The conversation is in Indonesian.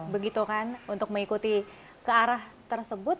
begitu kan untuk mengikuti kearah tersebut